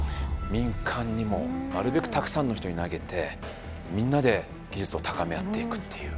民間にもなるべくたくさんの人に投げてみんなで技術を高め合っていくっていう。